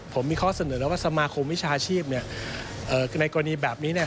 ผมมีข้อเสนอแล้วว่าสมาคมวิชาชีพในกรณีแบบนี้